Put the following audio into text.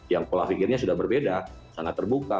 yang pola pikirnya sudah berbeda sangat terbuka